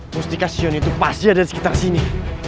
mustika xion pasti ada disekitar sini